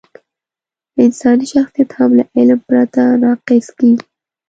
انساني شخصیت هم له علم پرته ناقص کېږي.